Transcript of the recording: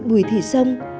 bùi thị song